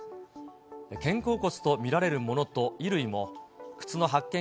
肩甲骨と見られるものと衣類も、靴の発見